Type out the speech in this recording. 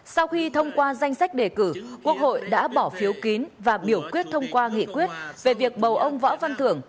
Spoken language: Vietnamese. sau khi thông qua danh sách đề cử quốc hội đã bỏ phiếu kín và biểu quyết thông qua nghị quyết về việc bầu ông võ văn thưởng